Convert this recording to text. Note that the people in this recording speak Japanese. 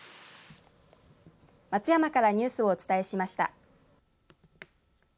松山からニュースをお伝えしました。